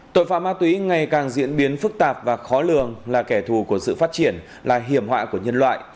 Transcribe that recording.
tội phạm ma túy ngày càng diễn biến phức tạp và khó lường là kẻ thù của sự phát triển là hiểm họa của nhân loại